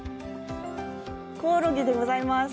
コオロギでございます。